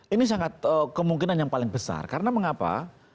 ini sangat kemungkinan yang paling besar karena mengapa